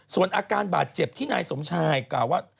ส่วนอาการบาดเจ็บที่นายสมชายกล่าวว่า